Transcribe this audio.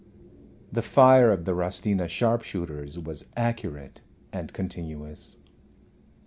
The fire of the Rostina sharpshooters was accurate and continuous.